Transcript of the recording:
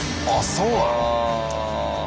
そうなの？